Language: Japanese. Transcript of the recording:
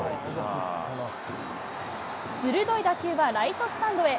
鋭い打球はライトスタンドへ。